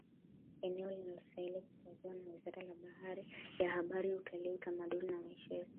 Eneo linalostahili kuhifadhiwa na Wizara ya Habari Utalii utamaduni na Michezo